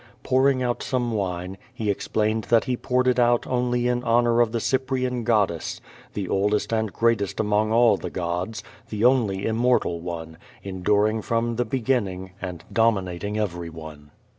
Pouring out some wine, he explained that he poured it out only in honor of the Cyprian goddess, the oldest and greatest among all the gods, the only immortal one, enduring from the beginning, and dominating over}'one.